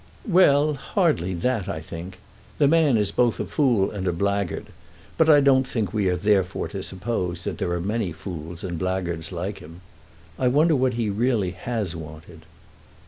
"Well; hardly that, I think. The man is both a fool and a blackguard; but I don't think we are therefore to suppose that there are many fools and blackguards like him. I wonder what he really has wanted."